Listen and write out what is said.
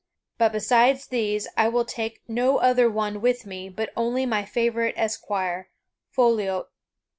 But besides these, I will take no other one with me but only my favorite esquire, Foliot.